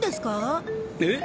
えっ？